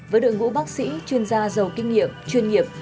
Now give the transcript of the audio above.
với đội ngũ bác sĩ chuyên gia giàu kinh nghiệm chuyên nghiệp